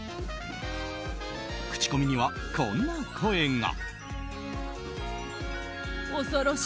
口コミには、こんな声が。